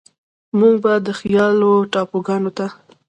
موږ به د خيال و ټاپوګانوته،